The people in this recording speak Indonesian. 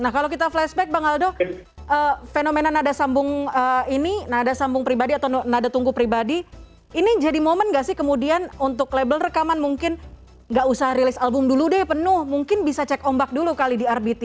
nah kalau kita flashback bang aldo fenomena nada sambung ini nada sambung pribadi atau nada tunggu pribadi ini jadi momen gak sih kemudian untuk label rekaman mungkin nggak usah rilis album dulu deh penuh mungkin bisa cek ombak dulu kali di rbt